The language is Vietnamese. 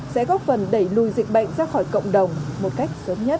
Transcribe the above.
sẽ góp phần đẩy lùi dịch bệnh ra khỏi cộng đồng một cách sớm nhất